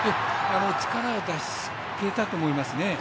力を出しきったと思いますね。